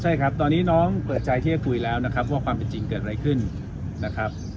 ใช่ครับตอนนี้น้องเปิดใจที่จะคุยแล้วนะครับว่าความเป็นจริงเกิดอะไรขึ้นนะครับ